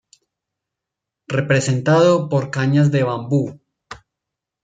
Representado por cañas de bambú.